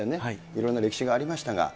いろんな歴史がありましたが、